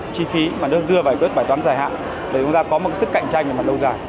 chi phí mà nó dừa giải quyết bài toán dài hạn để chúng ta có một sức cạnh tranh mà lâu dài